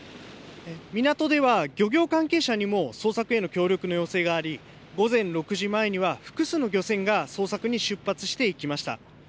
港では漁業関係者にも捜索への協力の要請があり、午前６時前には、複数の漁船が捜索に出発していきました。